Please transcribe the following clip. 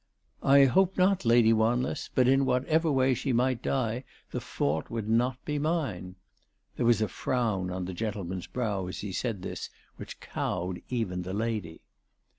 " I hope not, Lady Wanless ; but in whatever way she might die, the fault would not be mine." There was a frown on the gentleman's brow as he said this which cowed even the lady.